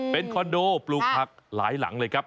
เป็นคอนโดปลูกผักหลายหลังเลยครับ